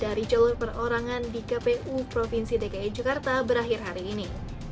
dari jalur perorangan di kpu provinsi dki jakarta berakhir hari ini